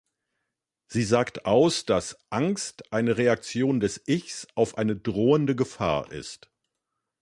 Sie sagt aus, dass Angst eine Reaktion des Ichs auf eine drohende Gefahr ist.